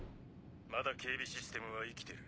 まだ警備システムは生きてる。